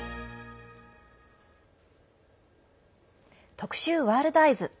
特集「ワールドＥＹＥＳ」。